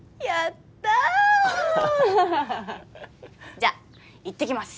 じゃあいってきます